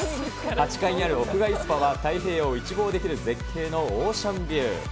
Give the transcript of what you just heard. ８階にある屋外スパは、太平洋を一望できる絶景のオーシャンビュー。